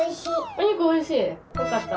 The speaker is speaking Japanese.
おにくおいしいよかった。